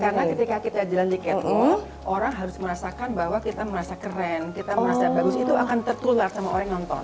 karena ketika kita jalan diket orang harus merasakan bahwa kita merasa keren kita merasa bagus itu akan tertular sama orang yang nonton